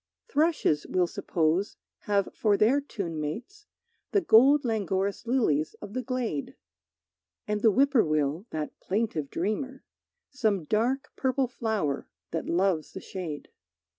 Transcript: Thrushes, we'll suppose, have for their tune mates The gold languorous lilies of the glade; And the whippoorwill, that plaintive dreamer, Some dark purple flower that loves the shade.